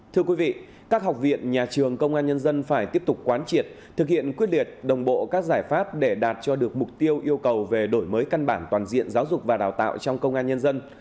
thưa quý vị các học viện nhà trường công an nhân dân phải tiếp tục quán triệt thực hiện quyết liệt đồng bộ các giải pháp để đạt cho được mục tiêu yêu cầu về đổi mới căn bản toàn diện giáo dục và đào tạo trong công an nhân dân